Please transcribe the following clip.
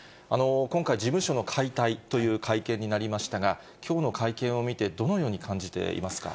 今回、事務所の解体という会見になりましたが、きょうの会見を見て、どのように感じていますか。